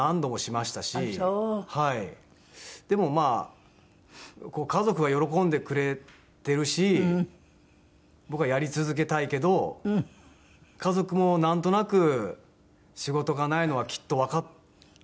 でもまあ家族は喜んでくれてるし僕はやり続けたいけど家族もなんとなく仕事がないのはきっとわかってるし。